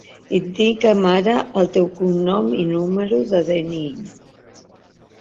Indica'm ara el teu cognom i número de de-ena-i.